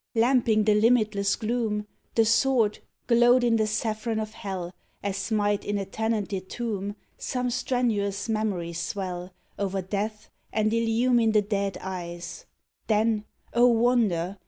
Lamping the limitless gloom, The sword Glowed in the saffron of Hell, As might in a tenanted tomb THE SONG Some strenuous memory swell Over death and illume the dead eyes. Then O wonder